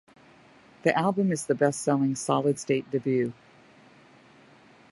The album is the best-selling Solid State debut.